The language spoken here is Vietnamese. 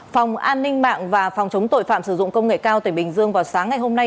phòng an ninh mạng và phòng chống tội phạm sử dụng công nghệ cao tp hcm vào sáng ngày hôm nay